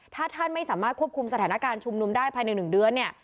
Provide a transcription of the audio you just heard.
ถ้าท่านไม่สามารถควบคุมสถานการณ์ชุมนุมได้ภายใน๑เดือนเนี่ย